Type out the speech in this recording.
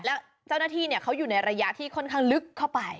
แล้วเจ้าหน้าที่เขาอยู่ในระยะที่ค่อนข้างลึกเข้าไป